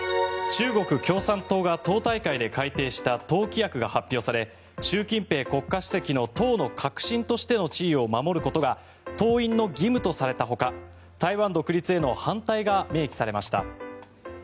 中国共産党が党大会で改定した党規約が発表され習近平国家主席の党の核心としての地位を守ることが党員の義務とされたほか台湾独立への反対が明記されました。